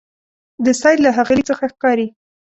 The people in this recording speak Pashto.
د سید له هغه لیک څخه ښکاري.